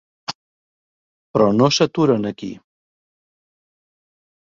Però no s'aturen aquí.